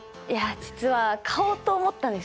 実は買おうと思ったんですけど。